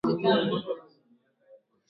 vyakula ubora wa misitu na bayoanuai kwa ujumla